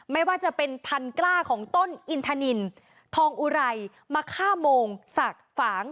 ไม่ว่าจะเป็นพันกล้าของต้นอินทนินทองอุไรมะค่าโมงศักดิ์ฝาง